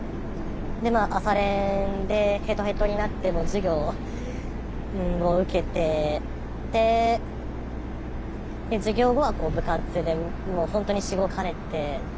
でまあ朝練でヘトヘトになっても授業を受けてで授業後は部活で本当にしごかれて。